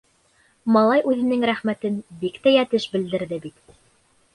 Малай үҙенең рәхмәтен бик тә йәтеш белдерҙе бит.